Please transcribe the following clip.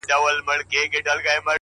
ملايکه مخامخ راته راگوري”